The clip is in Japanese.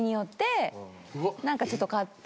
何かちょっと買って。